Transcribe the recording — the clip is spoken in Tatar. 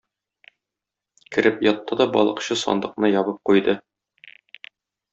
Кереп ятты да балыкчы сандыкны ябып куйды.